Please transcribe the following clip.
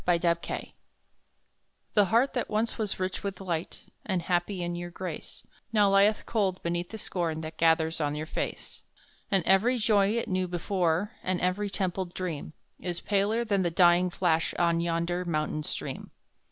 Etheline The heart that once was rich with light, And happy in your grace, Now lieth cold beneath the scorn That gathers on your face; And every joy it knew before, And every templed dream, Is paler than the dying flash On yonder mountain stream.